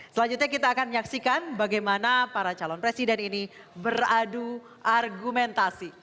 selanjutnya kita akan menyaksikan bagaimana para calon presiden ini beradu argumentasi